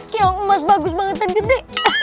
kaya emas bagus bangetan gede